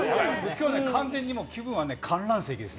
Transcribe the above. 完全に気分は観覧席です。